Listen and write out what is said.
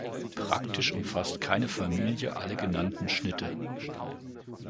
Praktisch umfasst keine Familie alle genannten Schnitte.